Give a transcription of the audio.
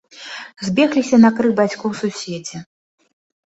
Збегліся на крык бацькоў суседзі.